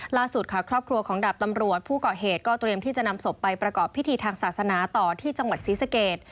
ล่าสุดค่ะครอบครัวของดาบตำรวจผู้ก่อเหตุก็เตรียมที่จะนำศพไปประกอบพิธีทางศาสนาต่อที่จังหวัดศรีสเกต